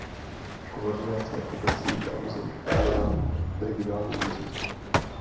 Koordinace obecních a územních plánování v regionálním měřítku.